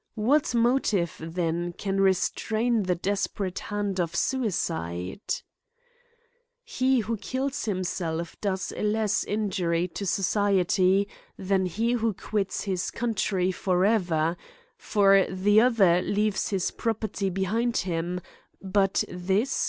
What motive then can restrain the desperate hand of suicide F He who kills himself does a less injury to so ciety than he who quits his country for ever ; for the other leaves his property behind him, but this CRI^IES AND PUNISHMENTS.